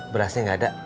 berasnya nggak ada